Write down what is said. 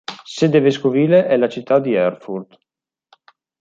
Sede vescovile è la città di Erfurt.